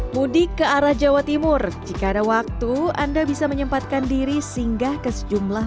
mudik ke arah jawa timur jika ada waktu anda bisa menyempatkan diri singgah ke sejumlah